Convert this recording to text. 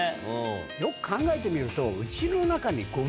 よく考えてみると。